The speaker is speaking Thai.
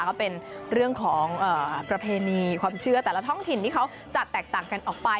ก็เป็นเรื่องของประเพณีความเชื่อแต่ละท้องถิ่นที่เขาจะแตกต่างกันออกไป